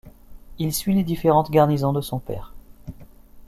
Il suit les différentes garnisons de son père.